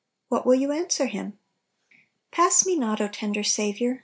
What will you answer Him? "Pass me not, O tender Saviour